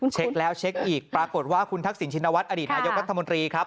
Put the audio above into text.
เช็คแล้วเช็คอีกปรากฏว่าคุณทักษิณชินวัฒนอดีตนายกรัฐมนตรีครับ